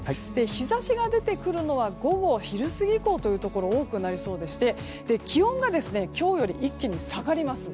日差しが出てくるのは午後昼過ぎ以降というところ多くなりそうでして、気温が今日より一気に下がります。